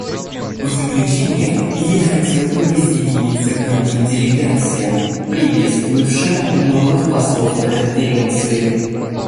В заключение я хотел бы присоединиться к другим делегациям, приветствовавшим новых послов на Конференции.